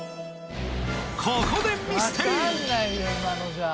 ここでミステリー